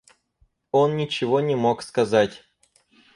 Он ничего не мог сказать.